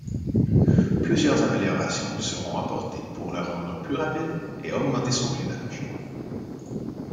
Plusieurs améliorations lui seront apportés pour le rendre plus rapide et augmenter son blindage.